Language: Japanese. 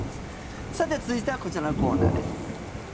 さて続いてはこちらのコーナーです。